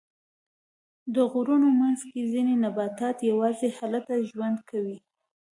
د غرونو منځ کې ځینې نباتات یواځې هلته ژوند کوي.